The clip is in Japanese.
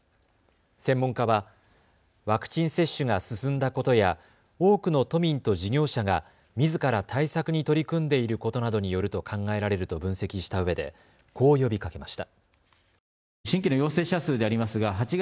専門家はワクチン接種が進んだことや多くの都民と事業者がみずから対策に取り組んでいることなどによると考えられると分析したうえでこう呼びかけました。